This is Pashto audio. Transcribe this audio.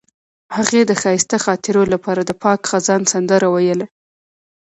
هغې د ښایسته خاطرو لپاره د پاک خزان سندره ویله.